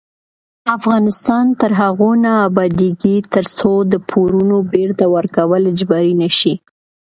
افغانستان تر هغو نه ابادیږي، ترڅو د پورونو بیرته ورکول اجباري نشي.